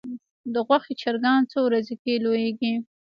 د غوښې چرګان څو ورځو کې لویږي؟